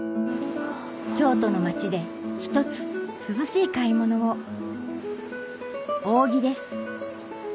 京都の町で一つ涼しい買い物を扇です